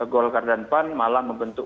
golkar dan pan malah membentuk